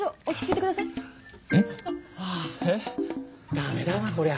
ダメだなこりゃ。